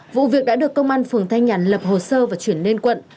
vụ việc đã được công an phường thanh nhàn lập hồ sơ và chuyển lên quận